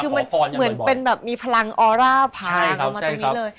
คือมันเหมือนเป็นแบบมีพลังออร่าผ่านออกมาตรงนี้เลย